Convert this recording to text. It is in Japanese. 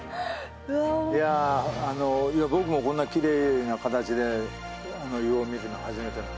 いやあの僕もこんなきれいな形で硫黄を見るの初めてなんで。